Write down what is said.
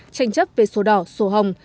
tranh chấp về số đỏ số hồng